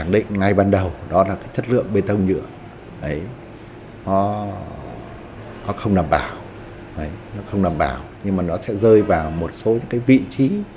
đã rơi vào một số vị trí